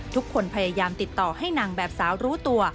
ทุกคนพยายามติดต่อให้นางแบบสาวรู้ตัว